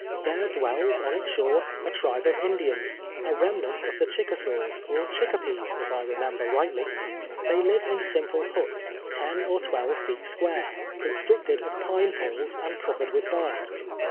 Tlicre dwells on its shore a tribe of Indians, a remnant of the Chickasaws or Chick opees, if I rememher rightly. They live in simple liuts, ton or twelve feet s<piai'e, constructed of pine poles and covered with bark.